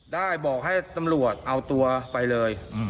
ได้บอกให้ตำรวจเอาตัวไปเลย